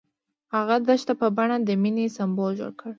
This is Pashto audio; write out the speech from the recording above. هغه د دښته په بڼه د مینې سمبول جوړ کړ.